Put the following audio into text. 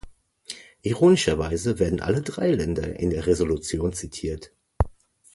Ironischerweise werden alle drei Länder in der Resolution zitiert.